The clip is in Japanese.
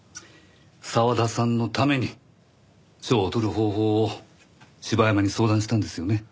澤田さんのために賞を取る方法を柴山に相談したんですよね？